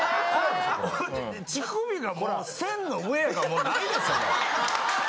乳首がもう線の上やからもうないですもん。